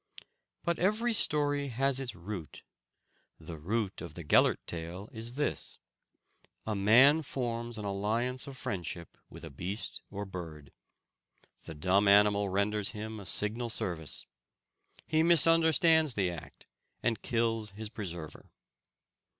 But every story has its root. The root of the Gellert tale is this: A man forms an alliance of friendship with a beast or bird. The dumb animal renders him a signal service. He misunderstands the act, and kills his preserver.